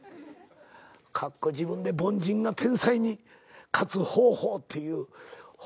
自分で『凡人が天才に勝つ方法』っていう本も出して。